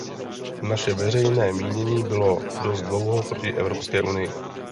Naše veřejné mínění bylo dost dlouho proti Evropské unii.